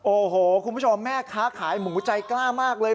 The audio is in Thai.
โอ้โหคุณผู้ชมแม่ค้าขายหมูใจกล้ามากเลย